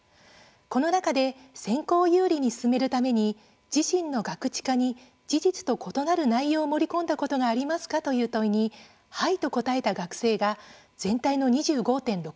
この中で選考を有利に進めるために自身のガクチカに事実と異なる内容を盛り込んだことがありますか？という問いにはいと答えた学生が全体の２５．６％。